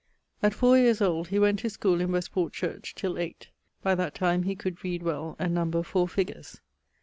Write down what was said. _> At four yeares old[FO] he went to schoole in Westport church, till eight; by that time he could read well, and number four figures.